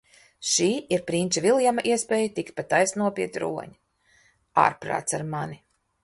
Šī ir prinča Viljama iespēja tikt pa taisno pie troņa. Ārprāts ar mani.